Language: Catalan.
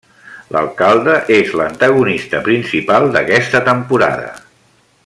L'alcalde és l'antagonista principal d'aquesta temporada.